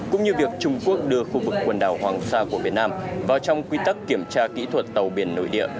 cũng như việc trung quốc đưa khu vực quần đảo hoàng sa của việt nam vào trong quy tắc kiểm tra kỹ thuật tàu biển nội địa